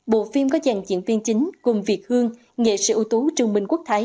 bộ phim có dàn diễn viên chính gồm việt hương nghệ sĩ ưu tú trương minh quốc thái